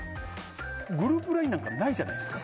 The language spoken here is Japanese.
グループＬＩＮＥなんかないじゃないですか。